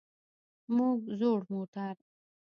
موږ زوړ موټر.